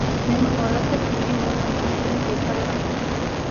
Nenumărate femei mor la naștere în fiecare an.